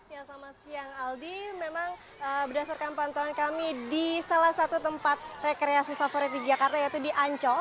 ya selamat siang aldi memang berdasarkan pantauan kami di salah satu tempat rekreasi favorit di jakarta yaitu di ancol